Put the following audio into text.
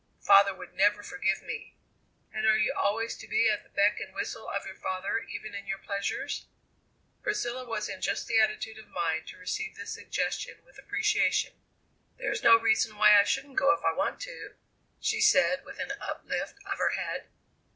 "Father would never forgive me!" "And are you always to be at the beck and whistle of your father even in your pleasures?" Priscilla was in just the attitude of mind to receive this suggestion with appreciation. "There's no reason why I shouldn't go if I want to," she said with an uplift of her head.